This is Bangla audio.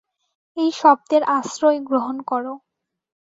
এই শব্দের আশ্রয় গ্রহণ কর।